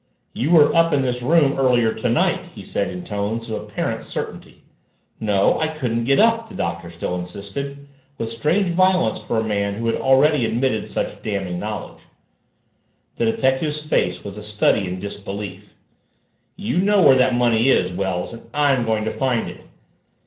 "You were up in this room earlier tonight," he said in tones of apparent certainty. "No, I couldn't get up!" the Doctor still insisted, with strange violence for a man who had already admitted such damning knowledge. The detective's face was a study in disbelief. "You know where that money is, Wells, and I'm going to find it!"